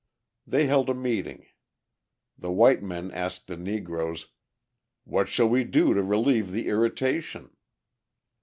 They held a meeting. The white men asked the Negroes, "What shall we do to relieve the irritation?"